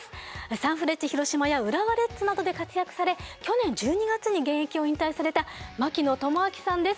サンフレッチェ広島や浦和レッズなどで活躍され去年１２月に現役を引退された槙野智章さんです。